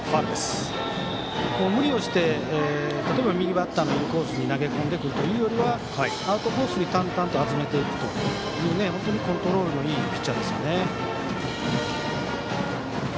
無理をして、例えば右バッターのインコースに投げ込んでくるというよりはアウトコースに淡々と集めていくとコントロールのいいピッチャーです。